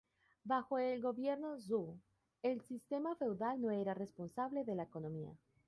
Bajo el gobierno zhou, el sistema feudal no era responsable de la economía.